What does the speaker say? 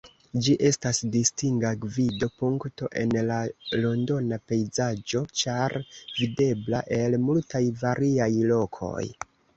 Ĝi estas distinga gvido-punkto en la londona pejzaĝo, ĉar videbla el multaj variaj lokoj.